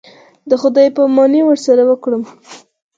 د خداى پاماني ورسره وكړم.